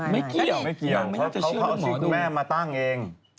ไม่เกี่ยวเขาเอาชื่อของคุณแม่มาตั้งเอง